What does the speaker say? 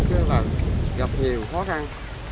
chứ là gặp nhiều khó khăn